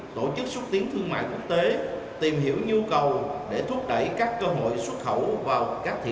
tổ chức xúc tiến thương mại quốc tế tìm hiểu nhu cầu để thúc đẩy các cơ hội xuất khẩu vào các thị